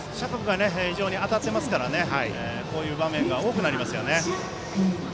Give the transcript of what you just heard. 非常に当たっていますからこういう場面が多くなりますね。